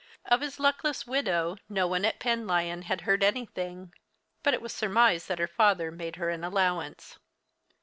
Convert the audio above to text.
Of his luckless widow no one at Penlyon had heard anything, but it was surmised that her father made her an allowance.